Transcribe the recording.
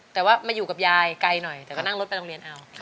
แต่ว่ามาอยู่กับยายไกลหน่อยแต่ก็นั่งรถไปโรงเรียนเอา